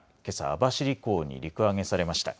網走港に陸揚げされました。